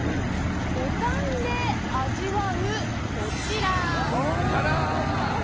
五感で味わう、こちら。